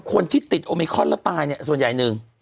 คนที่ติดโอมิคอนแล้วตายเนี่ยส่วนใหญ่หนึ่ง